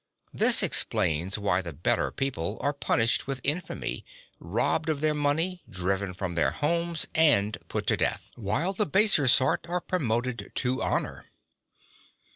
This explains why the better people are punished with infamy, (36) robbed of their money, driven from their homes, and put to death, while the baser sort are promoted to honour.